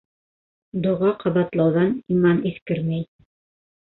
Доға ҡабатлауҙан иман иҫкермәй.